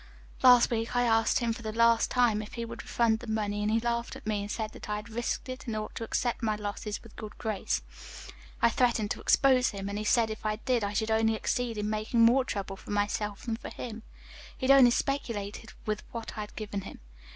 "Last week I asked him for the last time if he would refund the money, and he laughed at me and said that I had risked it and ought to accept my losses with good grace. I threatened to expose him, and he said if I did I should only succeed in making more trouble for myself than for him. He had only speculated with what I had given him.